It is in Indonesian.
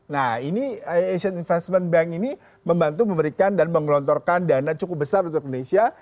nah ini asian investment bank ini membantu memberikan dan mengelontorkan dana cukup besar untuk indonesia